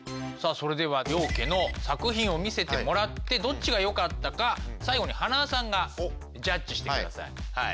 さあそれでは両家の作品を見せてもらってどっちがよかったか最後に塙さんがジャッジしてください。